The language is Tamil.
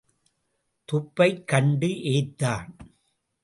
துப்பைக் கண்டு ஏய்த்தான்.